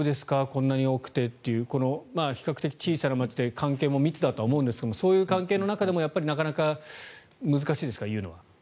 こんなに多くてという比較的小さな町で関係も密だとは思いますがそういう関係の中でもなかなか言うのは難しいですか。